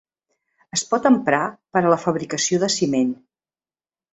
Es pot emprar per a la fabricació de ciment.